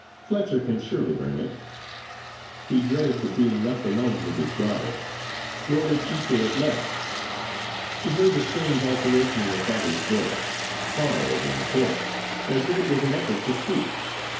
"Fletcher can surely bring it." He dreaded the being left alone with his daughter nor did she fear it less. She heard the strange alteration in her father's voice, hard and hoarse, as if it was an effort to speak.